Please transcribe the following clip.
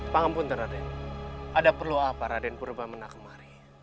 pangampunten raden ada perlu apa raden purwomenak kemari